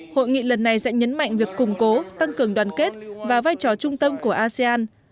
hội nghị lần này sẽ nhấn mạnh việc củng cố tăng cường đoàn kết và vai trò trung tâm của asean